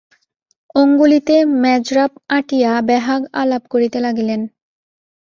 অঙ্গুলিতে মেজরাপ আঁটিয়া বেহাগ আলাপ করিতে লাগিলেন।